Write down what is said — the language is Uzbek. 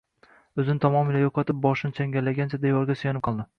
O`zini tamomila yo`qotib, boshini changallagancha devorga suyanib qoldi